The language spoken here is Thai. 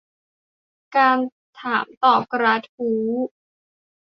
การถามตอบกระทู้